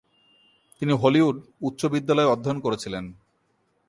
তিনি হলিউড উচ্চ বিদ্যালয়ে অধ্যয়ন করেছিলেন।